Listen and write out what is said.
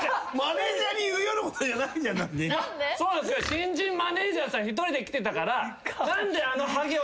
新人マネージャーさん１人で来てたから。